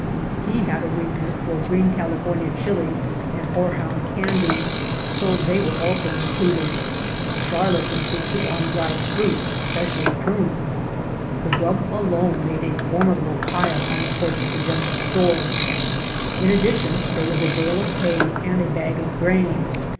He had a weakness for green California chilies and horehound candy, so they also were included. Charlotte insisted on White Heart of Mojave dried fruit, especially prunes. The grub alone made a formidable pile on the porch of the general store. In addition there was a bale of hay and a bag of grain.